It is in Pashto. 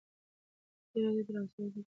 ازادي راډیو د ترانسپورټ وضعیت انځور کړی.